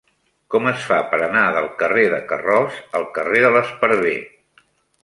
Com es fa per anar del carrer de Carroç al carrer de l'Esparver?